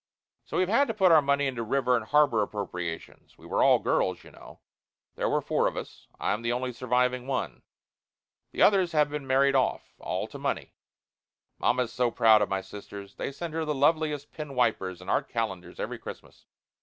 So we've had to put all our money into river and harbor appropriations. We were all girls, you know. There were four of us. I'm the only surviving one. The others have been married off. All to money. Mamma is so proud of my sisters. They send her the loveliest pen wipers and art calendars every Christmas.